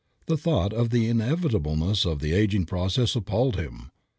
The thought of the inevitableness of the aging processes appalled him.